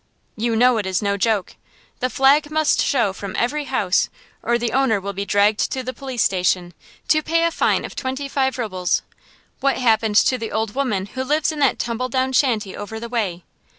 You know it is no joke. The flag must show from every house, or the owner will be dragged to the police station, to pay a fine of twenty five rubles. What happened to the old woman who lives in that tumble down shanty over the way?